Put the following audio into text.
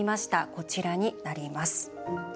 こちらになります。